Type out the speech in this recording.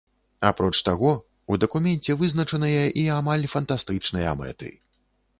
Апроч таго, у дакуменце вызначаныя і амаль фантастычныя мэты.